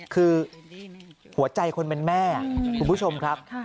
คือหัวใจคนเป็นแม่คุณผู้ชมครับ